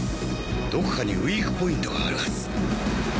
どこかにウイークポイントがあるはず。